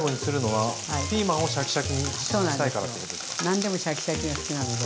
何でもシャキシャキが好きなので。